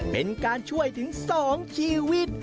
เป็นการช่วยถึง๒ชีวิต